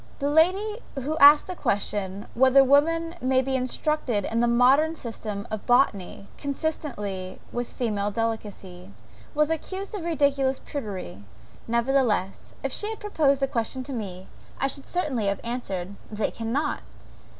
"The lady who asked the question whether women may be instructed in the modern system of botany, consistently with female delicacy?" was accused of ridiculous prudery: nevertheless, if she had proposed the question to me, I should certainly have answered They cannot."